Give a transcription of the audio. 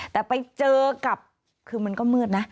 แต่ไปเจอกับคือมันก็มืดนะ